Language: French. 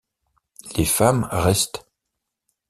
Les femmes restent.